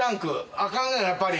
あかんやっぱり。